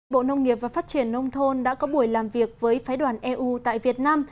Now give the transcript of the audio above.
bộ nông nghiệp và phát triển nông thôn đã có buổi làm việc với phái đoàn eu tại việt nam